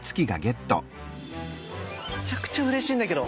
めちゃくちゃうれしいんだけど。